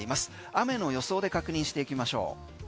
雨の予想で確認していきましょう。